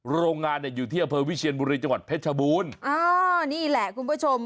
โรงงานเนี้ยอยู่ที่บุรีจังหวัดเพชรบูนอ่านี่แหละคุณผู้ชม